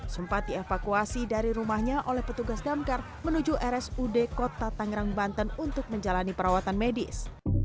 sempat dievakuasi dari rumahnya oleh petugas damkar menuju rsud kota tangerang banten untuk menjalani perawatan medis